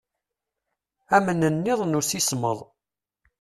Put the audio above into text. Amnenniḍ n usismeḍ.